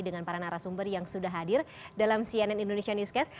dengan para narasumber yang sudah hadir dalam cnn indonesia newscast